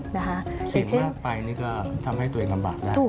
เสี่ยงมากไปนี่ก็ทำให้ตัวเองลำบากแล้ว